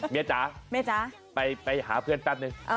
เมียจ๊ะไปหาเพื่อนแปลกนึง